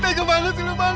tiga malam dulu bang